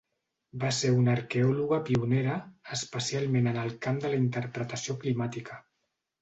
Va ser una arqueòloga pionera, especialment en el camp de la interpretació climàtica.